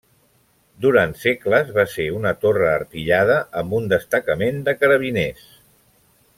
Durant segles va ser una torre artillada amb un destacament de carabiners.